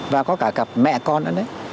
và có cả cặp mẹ con nữa đấy